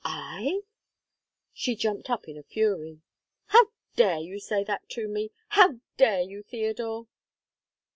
"I?" She jumped up in a fury. "How dare you say that to me? How dare you, Theodore?"